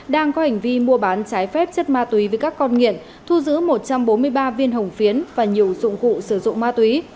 đang có hành vi mua bán trái phép chất ma túy với các con nghiện thu giữ một trăm bốn mươi ba viên hồng phiến và nhiều dụng cụ sử dụng ma túy